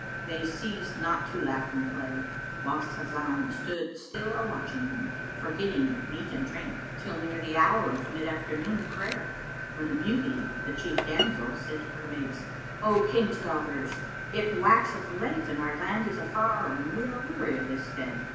"' They ceased not to laugh and play, whilst Hasan stood still a watching them, forgetting meat and drink, till near the hour of mid afternoon prayer, when the beauty, the chief damsel, said to her mates, "O Kings' daughters, it waxeth late and our land is afar and we are weary of this stead.